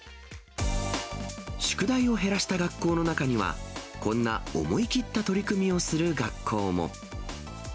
宿題を減らした学校の中には、こんな思い切った取り組みをする学校も。